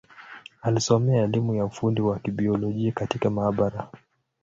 Alisomea elimu ya ufundi wa Kibiolojia katika maabara.